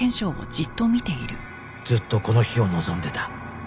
ずっとこの日を望んでた